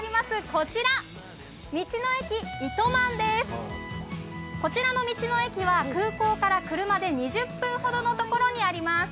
こちらの道の駅は空港から車で２０分ほどのところにあります。